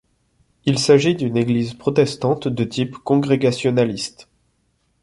Il s'agit d'une église protestante de type congrégationaliste.